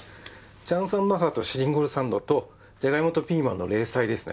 チャンサンマハとシリンゴルサンドとジャガイモとピーマンの冷菜ですね？